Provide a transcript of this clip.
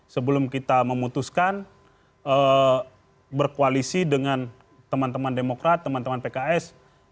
sebelum kita memutuskan berkoalisi dengan teman teman demokrat teman teman pks